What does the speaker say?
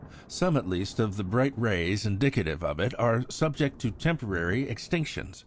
Some at least of the bright rays indicative of it are subject to temporary extinctions.